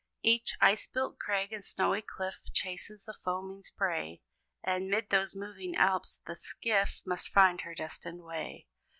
Each ice built crag and snowy cliff Chases the foaming spray; And, 'mid those moving Alps, the skiff Must find her destined way.